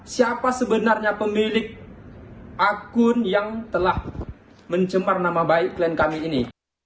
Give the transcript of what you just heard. siapa sebenarnya pemilik akun yang telah mencemar nama baik klien kami ini